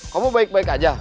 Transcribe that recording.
kamu baik baik aja